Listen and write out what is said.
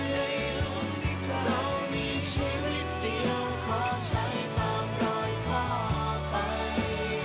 เรามีชีวิตเดียวขอใช้ตามรอยความไป